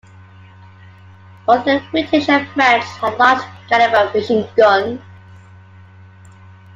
Both the British and French had large caliber machine guns.